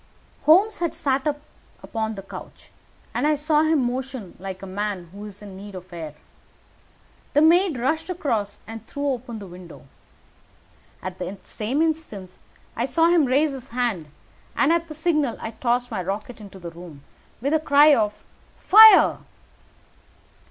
Holmes had sat upon the couch, and I saw him motion like a man who is in need of air. A maid rushed across and threw open the window. At the same instant I saw him raise his hand, and at the signal I tossed my rocket into the room with a cry of "Fire!"